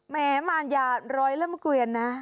แม้มารยาร้อยเล่มเกวียนนะ